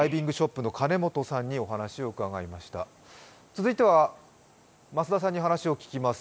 続いては増田さんに話を聞きます。